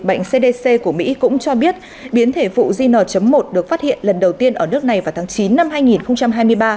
bệnh cdc của mỹ cũng cho biết biến thể vụ zn một được phát hiện lần đầu tiên ở nước này vào tháng chín năm hai nghìn hai mươi ba